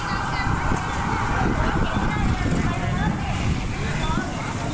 ไฟมันก็โหมลุกกระหน่ำให้คุณผู้ชมดูคลิปเหตุการณ์นี้หน่อยนะฮะ